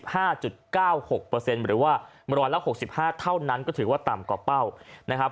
หรือว่าเมื่อวานแล้ว๖๕เท่านั้นก็ถือว่าต่ำกว่าเป้า